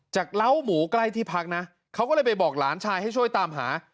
เล้าหมูใกล้ที่พักนะเขาก็เลยไปบอกหลานชายให้ช่วยตามหา